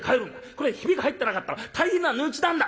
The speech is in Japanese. これはヒビが入ってなかったら大変な値打ちなんだ！』」。